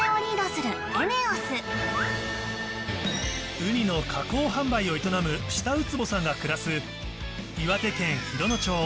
ウニの加工販売を営む下苧坪さんが暮らす岩手県洋野町